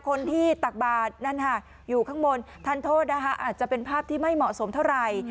ตักบาทนั่นค่ะอยู่ข้างบนทานโทษนะคะอาจจะเป็นภาพที่ไม่เหมาะสมเท่าไหร่